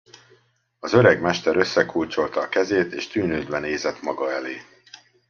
Az öreg mester összekulcsolta a kezét, és tűnődve nézett maga elé.